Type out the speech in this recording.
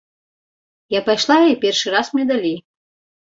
Я пайшла, і першы раз мне далі.